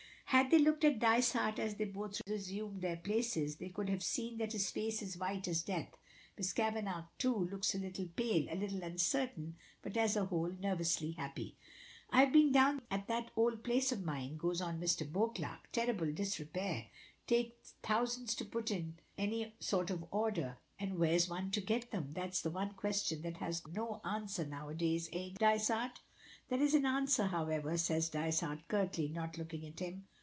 Had they looked at Dysart as they both resumed their places, they could have seen that his face is white as death. Miss Kavanagh, too, looks a little pale, a little uncertain, but as a whole nervously happy. "I've been down at that old place of mine," goes on Mr. Beauclerk. "Terrible disrepair take thousands to put it in any sort of order. And where's one to get them? That's the one question that has got no answer now a days. Eh, Dysart?" "There is an answer, however," says Dysart, curtly, not looking at him.